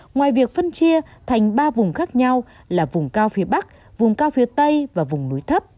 ngoài việc phân chia thành ba vùng khác nhau là vùng cao phía bắc vùng cao phía tây và vùng núi thấp